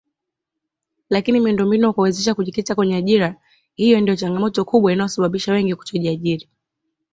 Lakini miundombinu ya kuwawezesha kujikita kwenye ajira hiyo ndio changamoto kubwa inayosababisha wengi kutojiajiri